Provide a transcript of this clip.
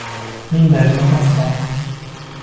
L'inverno passò.